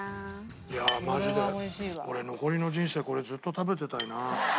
いやあマジで俺残りの人生これずっと食べてたいな。